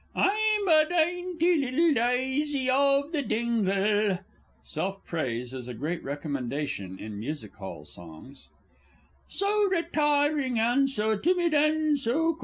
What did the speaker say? _ I'm a dynety little dysy of the dingle, [Self praise is a great recommendation in Music hall songs. So retiring and so timid and so coy.